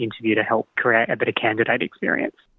untuk membantu membuat pengalaman pemerintahan yang lebih baik